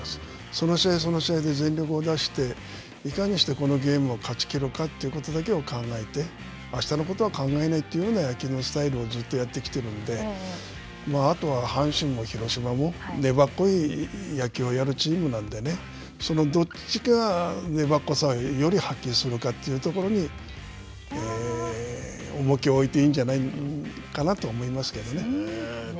その試合その試合で全力を出して、いかにしてこのゲームを勝ちきるかということを考えて、あしたのことは考えないというような野球のスタイルをずっとやってきているので、あとは、阪神も広島も粘っこい野球をやるチームなんでね、そのどっちかがよりはっきりするかというところに重きを置いていいんじゃないかなと思いますけどね。